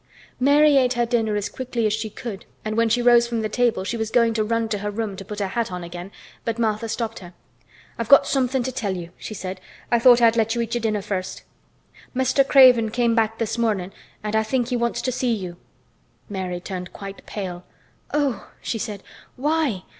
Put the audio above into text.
Mary ate her dinner as quickly as she could and when she rose from the table she was going to run to her room to put on her hat again, but Martha stopped her. "I've got somethin' to tell you," she said. "I thought I'd let you eat your dinner first. Mr. Craven came back this mornin' and I think he wants to see you." Mary turned quite pale. "Oh!" she said. "Why!